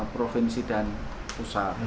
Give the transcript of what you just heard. provinsi dan pusat